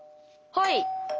はい。